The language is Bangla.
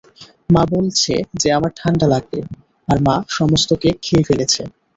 মা বলছে যে আমার ঠান্ডা লাগবে, আর মা সমস্ত কেক খেয়ে ফেলেছে।